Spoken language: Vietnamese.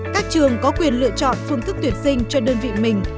các trường có quyền lựa chọn phương thức tuyển sinh cho đơn vị mình